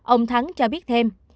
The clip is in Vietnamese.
ông thắng cho biết thêm